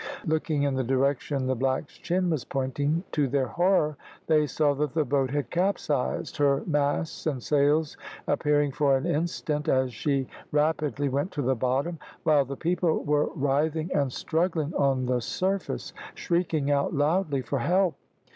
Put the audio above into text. Looking in the direction the black's chin was pointing, to their horror they saw that the boat had capsized, her masts and sails appearing for an instant as she rapidly went to the bottom, while the people were writhing and struggling on the surface, shrieking out loudly for help.